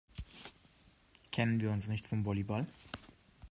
Kennen wir uns nicht vom Volleyball?